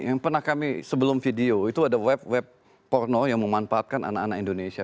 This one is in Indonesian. yang pernah kami sebelum video itu ada web web porno yang memanfaatkan anak anak indonesia